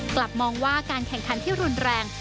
กลับมองว่าการแข่งขันที่รุนแรง